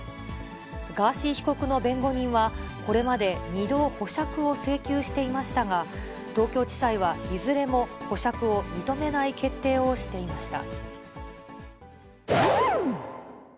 ガーシー被告の弁護人はこれまで２度、保釈を請求していましたが、東京地裁はいずれも保釈を認めない決定をしていました。